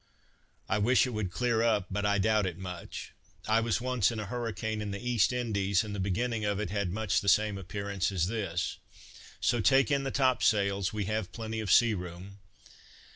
"I wish it would clear up, but I doubt it much. I was once in a hurricane in the East Indies, and the beginning of it had much the same appearance as this. So take in the top sails, we have plenty of sea room."